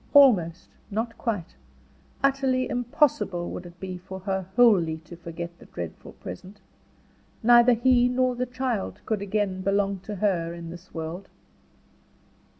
Almost, not quite, utterly impossible would it be for her wholly to forget the dreadful present. Neither he nor the child could again belong to her in this world.